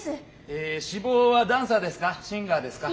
え志望はダンサーですか？